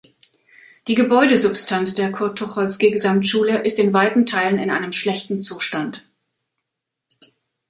Die Gebäudesubstanz der Kurt-Tucholsky-Gesamtschule ist in weiten Teilen in einem schlechten Zustand.